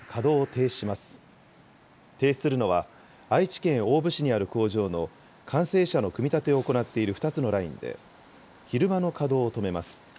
停止するのは、愛知県大府市にある工場の完成車の組み立てを行っている２つのラインで、昼間の稼働を止めます。